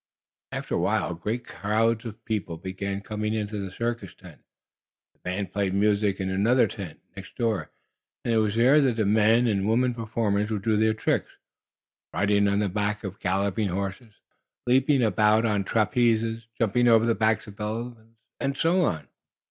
After awhile great crowds of people began coming into the circus tent. The band played music in another tent, next door, and it was there that the men and women performers would do their tricks riding on the backs of galloping horses, leaping about on trapezes, jumping over the backs of elephants and so on.